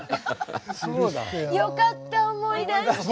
よかった思い出して！